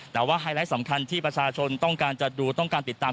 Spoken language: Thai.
แต่ว่าไฮไลท์สำคัญที่ประชาชนต้องการจะดูต้องการติดตาม